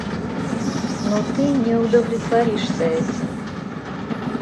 Но ты не удовлетворишься этим.